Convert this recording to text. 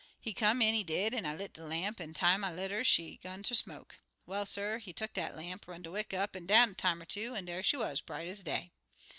He come in, he did, an' I lit de lamp, an' time I lit 'er she 'gun ter smoke. Well, suh, he tuck dat lamp, run de wick up an' down a time er two, an' dar she wuz, bright ez day.